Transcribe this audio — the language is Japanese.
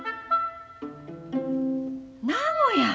名古屋？